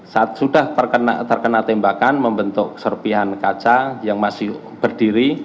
saat sudah terkena tembakan membentuk serpihan kaca yang masih berdiri